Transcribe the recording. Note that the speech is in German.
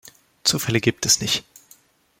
Zufälle gibt es nicht.